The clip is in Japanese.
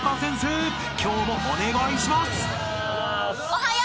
［今日もお願いします］